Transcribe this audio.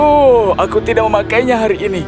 oh aku tidak memakainya hari ini